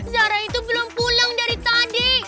sarah itu belum pulang dari tadi